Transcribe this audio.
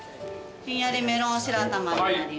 ひんやりメロン白玉になります。